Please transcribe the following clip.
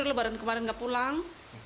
lebaran kemarin gak pulang